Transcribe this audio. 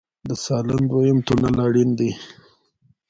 د سالنګ دویم تونل اړین دی